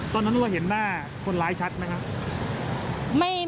ตอนนั้นรู้ว่าเห็นหน้าคนร้ายชัดไหมครับ